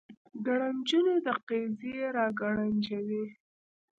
ګړنجونې د قیزې را ګړنجوي